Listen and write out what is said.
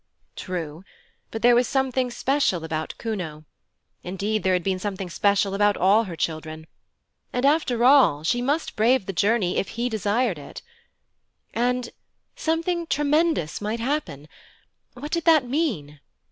True, but there was something special about Kuno indeed there had been something special about all her children and, after all, she must brave the journey if he desired it. And 'something tremendous might happen'. What did that mean?